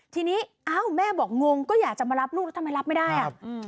ทีนี้แม่บอกงงก็อยากจะมารับลูกทำไมรับไม่ได้